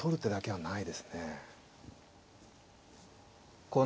はい。